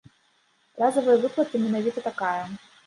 Разавая выплата менавіта такая.